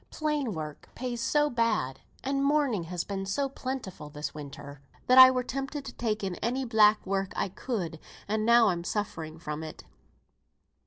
Plain work pays so bad, and mourning has been so plentiful this winter, I were tempted to take in any black work I could; and now I'm suffering from it."